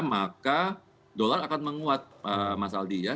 maka dolar akan menguat mas aldi ya